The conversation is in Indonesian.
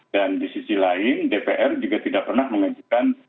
dan di sisi lain dpr juga tidak pernah mengajukan